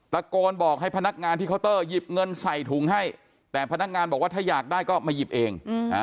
ตะโกนบอกให้พนักงานที่เคาน์เตอร์หยิบเงินใส่ถุงให้แต่พนักงานบอกว่าถ้าอยากได้ก็มาหยิบเอง